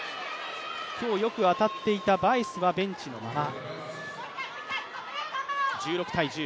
今日よく当たっていたバイスはベンチのまま。